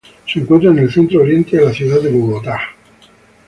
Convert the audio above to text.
Se encuentra en el centro oriente de la ciudad de Bogotá.